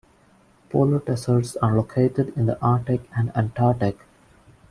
Polar deserts are located in the Arctic and Antarctic.